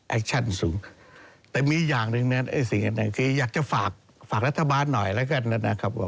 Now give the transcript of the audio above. แอคชั่นสูงแต่มีอย่างหนึ่งคืออยากจะฝากรัฐบาลหน่อยแล้วกันนะครับ